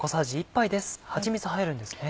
はちみつ入るんですね。